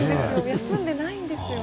休んでないんですよね。